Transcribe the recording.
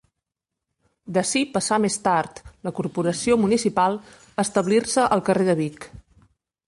D'ací passà més tard, la Corporació municipal, a establir-se al carrer de Vic.